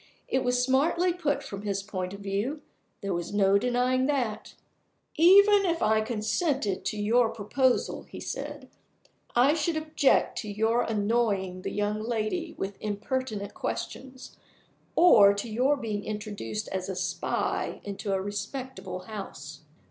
It was smartly put from his point of view there was no denying that. "Even if I consented to your proposal," he said, "I should object to your annoying the young lady with impertinent questions, or to your being introduced as a spy into a respectable house."